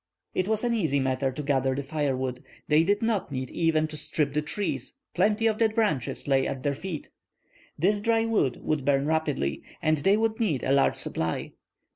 It was an easy matter to gather the firewood. They did not need even to strip the trees; plenty of dead branches lay at their feet. This dry wood would burn rapidly, and they would need a large supply.